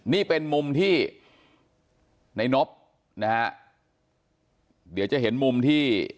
นี่เป็นมุมที่ในนบนะฮะเดี๋ยวจะเห็นมุมที่